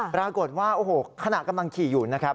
ปรากฏว่าขนาดกำลังขี่อยู่